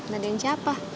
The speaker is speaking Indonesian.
gak ada yang siapa